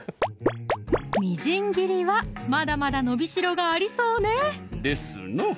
みじん切りはまだまだ伸び代がありそうねですな